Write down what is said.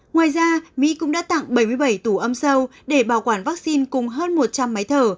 ngoài ra mỹ cũng đã tặng bảy mươi bảy tủ âm sâu để bảo quản vaccine cùng hơn một trăm linh máy thở